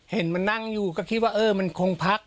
เห็นมันนั่งอยู่ก็คิดว่าเออมันคงพัก